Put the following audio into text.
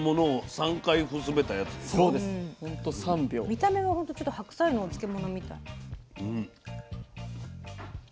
見た目はほんとちょっと白菜のお漬物みたい。